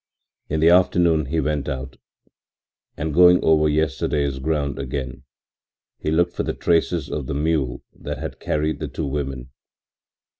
In the afternoon he went out, and going over yesterday's ground again, he looked for the traces of the mule that had carried the two women.